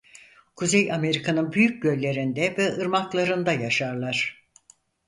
Kuzey Amerika'nın büyük göllerinde ve ırmaklarında yaşarlar.